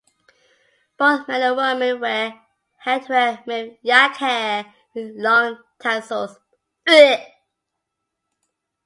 Both men and women wear headwear made of yak hair, with long tassels.